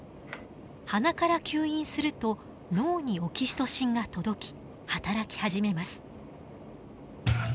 鼻から吸引すると脳にオキシトシンが届き働き始めます。